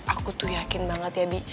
aku tuh yakin banget ya bi